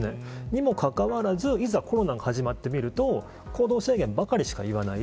にもかかわらずいざ、コロナが始まってみると行動制限ばかりしか言わない。